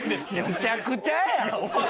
むちゃくちゃやん！